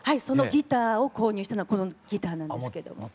そのギターを購入したのはこのギターなんですけども。